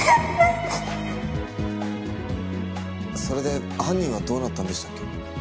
それで犯人はどうなったんでしたっけ？